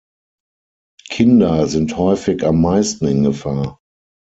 Kinder sind häufig am meisten in Gefahr.